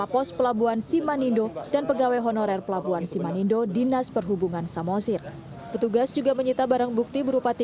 joshua mulai panik mencari cara agar segera bisa keluar dari kapal